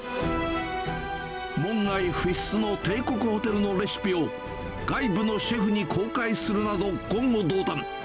門外不出の帝国ホテルのレシピを、外部のシェフに公開するなど、言語道断！